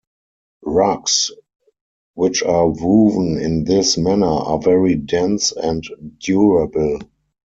Rugs which are woven in this manner are very dense and durable.